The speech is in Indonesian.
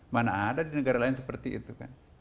mana ada di negara lain seperti itu kan